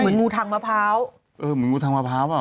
เหมือนงูทางมะพร้าวเออเหมือนงูทางมะพร้าวหรอ